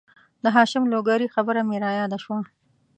د هاشم لوګرې خبره مې را یاده شوه